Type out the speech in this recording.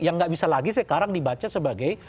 yang nggak bisa lagi sekarang dibaca sebagai